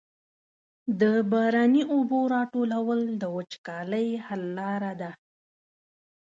د باراني اوبو راټولول د وچکالۍ حل لاره ده.